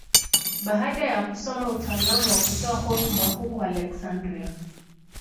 Baada ya kusoma utaalamu wa kutoa hotuba huko Aleksandria.